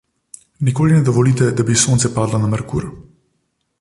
Nikoli ne dovolite, da bi sonce padlo na Merkur.